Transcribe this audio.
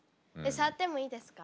触ってもいいですか？